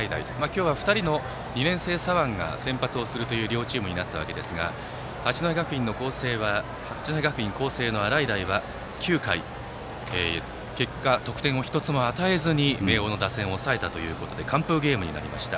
今日は２人の２年生左腕が先発する両チームになったわけですが八戸学院光星の洗平は９回、結果、得点を１つも与えずに明桜の打線を抑えて完封ゲームになりました。